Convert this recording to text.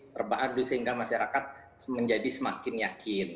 terbaharu sehingga masyarakat menjadi semakin yakin